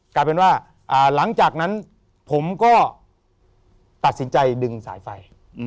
กลายเป็นว่าหลังจากนั้นผมก็ตัดสินใจดึงสายไฟ